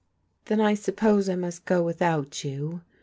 " Then I suppose I must go wVthouX ^om" ^x^.'